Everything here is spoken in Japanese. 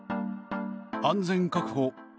安全確保。